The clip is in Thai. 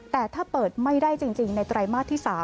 แต่ถ้าเปิดไม่ได้จริงในไตรมาสที่๓